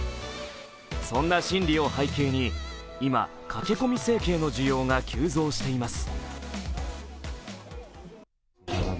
そんな心理を背景に今、駆け込み整形の需要が急増しています。